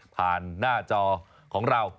ผ่านหน้าจอของเรา